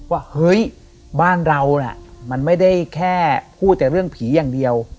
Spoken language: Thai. ว่าเฮ้ยบ้านเราน่ะมันไม่ได้แค่พูดแต่เรื่องผีอย่างเดียว